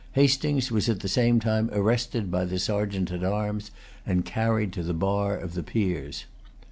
Hastings was at the same time arrested by the Sergeant at arms, and carried to the bar of the Peers.